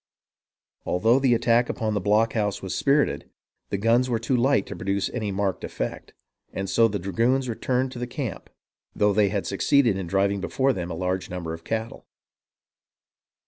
Although the attack upon the blockhouse was spirited, the guns were too light to produce any marked effect, and so the dragoons returned to the camp, though they succeeded in driving before them a large number of cattle.